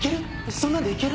そんなんでいける？